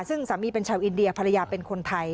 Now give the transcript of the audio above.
ซึ่งสามีเป็นชาวอินเดียภรรยาเป็นคนไทย